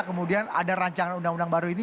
kemudian ada rancangan undang undang baru ini